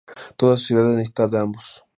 Toda sociedad necesita ambos.